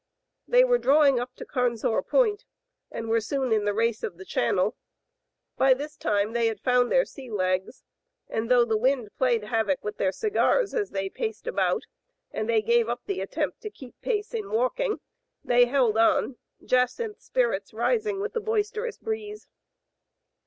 They were drawing up to Carnsore Point, and were soon in the race of the channel. By this time they had found their sea legs, and though the wind played havoc with their cigars, as they paced about, and they gave up the attempt to keep pace in walking, they held on, Jacynth's spirits rising with the boister ous breeze.